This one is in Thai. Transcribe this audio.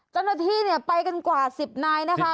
เจ้าหน้าที่เนี่ยไปกันกว่า๑๐นายนะคะ